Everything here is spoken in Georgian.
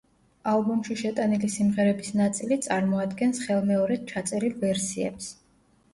ალბომში შეტანილი სიმღერების ნაწილი წარმოადგენს ხელმეორედ ჩაწერილ ვერსიებს.